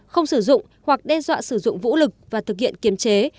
không sử dụng hoặc đe dọa sử dụng vũ lực và thực hiện kiềm chế